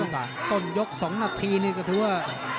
หลายจุงต้นยก๒นาทีคือว่า